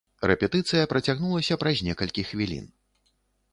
Рэпетыцыя працягнулася праз некалькі хвілін.